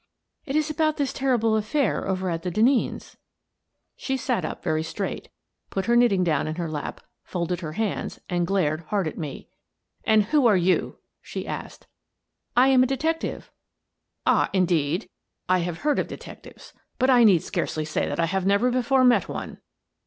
" It is about this terrible affair over at the Den neens\" She sat up very straight, put her knitting down in her lap, folded her hands, and glared hard at me. " And who are you? " she asked. "lama detective." "Ah, indeed? I have heard of detectives, but I need scarcely say that I have never before met one."